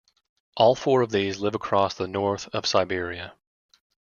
All four of these live across the north of Siberia.